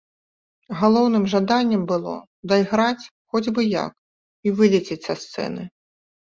Галоўным жаданнем было дайграць хоць бы як і вылецець са сцэны.